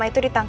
eh ya sanya